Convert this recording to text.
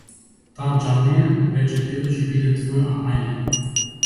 Таа џамлија, рече дедо, ќе биде твоја амајлија.